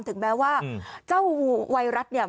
ถึงแม้ว่าเจ้าไวรัสเนี่ย